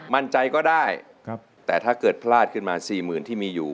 มั่นใจก็ได้แต่ถ้าเกิดพลาดขึ้นมาสี่หมื่นที่มีอยู่